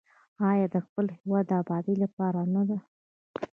آیا د خپل هیواد د ابادۍ لپاره نه ده؟